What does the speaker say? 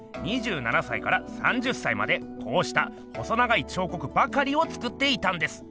２７歳から３０歳までこうした細長い彫刻ばかりを作っていたんです。